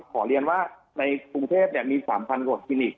ขอเรียนว่าในกรุงเทพเนี้ยมี๓๐๐๐กว่าคนิค